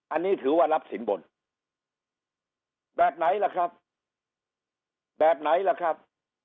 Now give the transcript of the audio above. อันนี้ถือว่ารับสินบนแบบไหนล่ะครับ